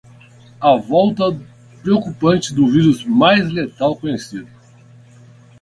A volta preocupante do vírus mais letal conhecido